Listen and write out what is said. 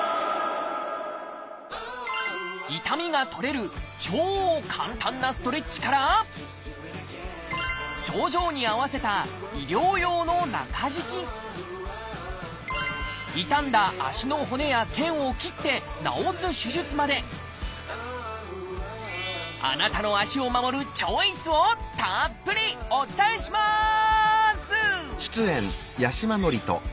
痛みが取れる超簡単なストレッチから症状に合わせた傷んだ足の骨や腱を切って治す手術まであなたの足を守るチョイスをたっぷりお伝えします！